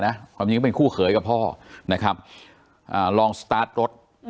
น้ทักครั้งนี้ก็เป็นคู่เขยกับพ่อน่ะครับอ่าลองสตาร์ทรถ